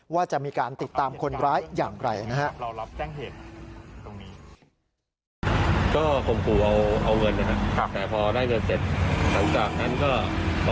ว่าจะมีการติดตามคนร้ายอย่างไกลนะครับ